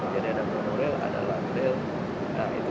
jadi ada monorail ada light rail